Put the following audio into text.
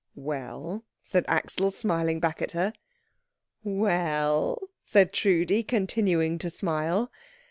"Well?" said Axel, smiling back at her. "Well?" said Trudi, continuing to smile.